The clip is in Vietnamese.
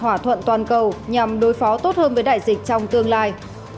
thỏa thuận toàn cầu nhằm đối phó tốt hơn với đại dịch trong tương lai